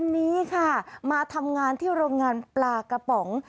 วันนี้ค่ะมาทำงานที่โรงงานปลากระป๋อง